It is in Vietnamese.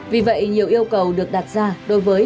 vì vậy nhiều yêu cầu được đặt ra đối với